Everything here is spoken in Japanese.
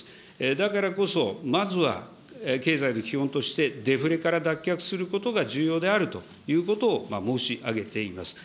だからこそ、まずは経済の基本としてデフレから脱却することが重要であるということを申し上げています。